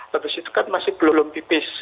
habis itu kan masih belum tipis